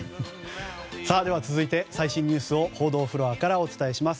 続いて、最新ニュースを報道フロアからお伝えします。